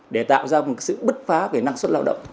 để tạo ra một sự bứt phá về năng suất lao động